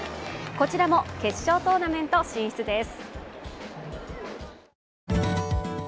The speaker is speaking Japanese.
こちらも決勝トーナメント進出です。